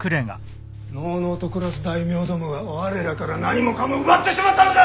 のうのうと暮らす大名どもは我らから何もかも奪ってしまったのだ！